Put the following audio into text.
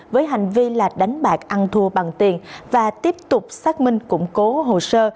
với hành vi là đánh bạc ăn thua bằng tiền và tiếp tục xác minh củng cố hồ sơ